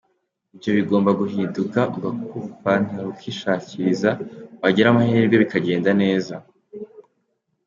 Ibyo bigomba guhinduka ugakuba ipantaro ukishakiriza, wagira amahirwe bikagenda neza.